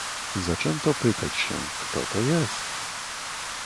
"Zaczęto pytać się: kto to jest?"